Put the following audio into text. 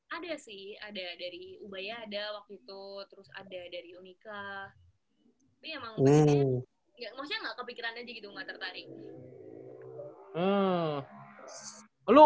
ada sih ada dari ubaya ada waktu itu terus ada dari uniqa